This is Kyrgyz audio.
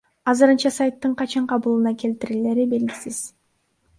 Азырынча сайттын качан калыбына келтирилери белгисиз.